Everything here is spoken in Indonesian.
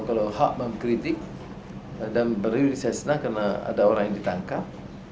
kalau hak mengkritik dan beririsdah karena ada orang yang ditangkap